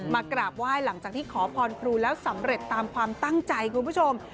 กราบไหว้หลังจากที่ขอพรครูแล้วสำเร็จตามความตั้งใจคุณผู้ชม